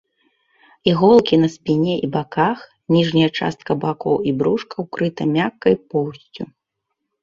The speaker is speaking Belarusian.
Іголкі на спіне і баках, ніжняя частка бакоў і брушка ўкрыта мяккай поўсцю.